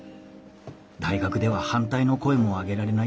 大学では反対の声も上げられないでしょう。